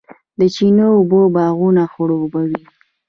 د چینو اوبه باغونه خړوبوي.